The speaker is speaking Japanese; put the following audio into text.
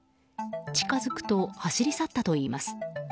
近づくと走り去ったといいます。